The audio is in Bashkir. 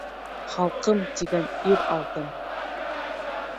«Халҡым» тигән ир алтын.